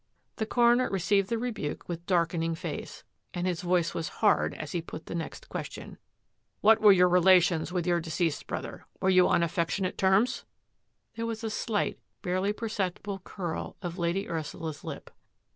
The coroner received the rebuke with darkening face, and his voice was hard as he put the next question. " What were your relations with your deceased brother? Were you on affectionate terms?" There was a slight, barely perceptible curl of Lady Ursula's lip.